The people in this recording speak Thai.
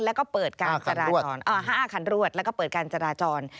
แล้วก็เปิดการจราจร